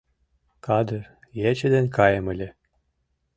Кадыр ече ден каем ыле.